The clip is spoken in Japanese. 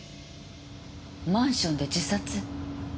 マンションで自殺。